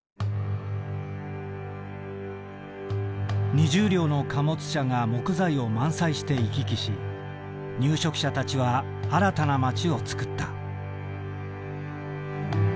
２０両の貨物車が木材を満載して行き来し入植者たちは新たな町をつくった。